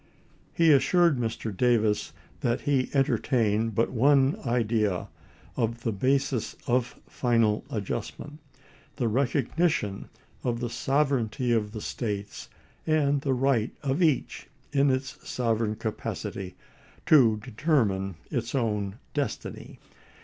He assured Mr. Davis that he entertained but one idea of the basis of final adjustment — the recognition of the sover eignty of the States, and the right of each in its sov ereign capacity to determine its own destiny.